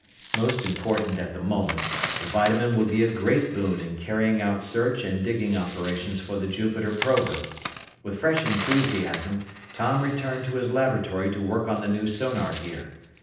Most important at the moment, the vitamin would be a great boon in carrying out search and digging operations for the Jupiter prober. With fresh enthusiasm, Tom returned to his laboratory to work on the new sonar gear.